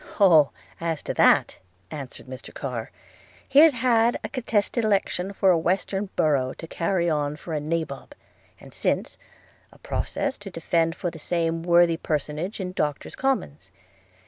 'Oh! as to that,' answered Mr Carr, 'he has had a contested election for a Western borough to carry on for a Nabob; and since, a process to defend for the same worthy personage in Doctors Commons.